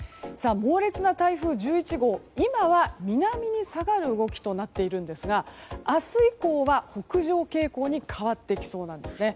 猛烈な台風１１号今は南に下がる動きとなっているんですが明日以降は北上傾向に変わってきそうなんですね。